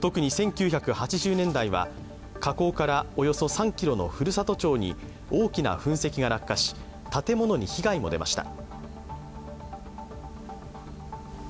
特に１９８０年代は火口からおよそ３ｋｍの古里町に大きな噴石が落下し、建物にも被害も出ました。